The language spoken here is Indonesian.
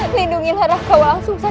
lindungilah raka walang sungsang